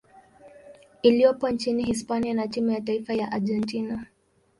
iliyopo nchini Hispania na timu ya taifa ya Argentina.